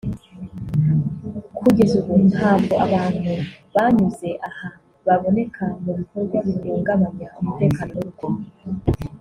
“Kugeza ubu ntabwo abantu banyuze aha baboneka mu bikorwa bihungabanya umutekano n’urugomo